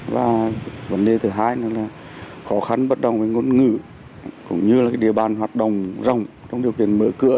và vấn đề thứ hai nữa là khó khăn bất đồng với ngôn ngữ cũng như là địa bàn hoạt động rồng trong điều kiện mở cửa